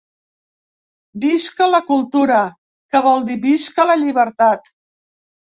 Visca la cultura, que vol dir visca la llibertat!